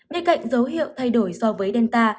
để cạnh dấu hiệu thay đổi so với delta